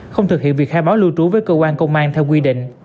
không thực hiện việc khai báo lưu trú với cơ quan công an theo quy định